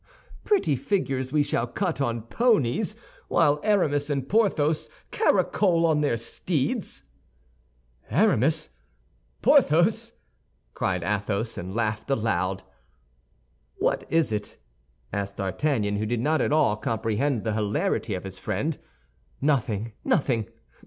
"Pretty figures we shall cut on ponies while Aramis and Porthos caracole on their steeds." "Aramis! Porthos!" cried Athos, and laughed aloud. "What is it?" asked D'Artagnan, who did not at all comprehend the hilarity of his friend. "Nothing, nothing!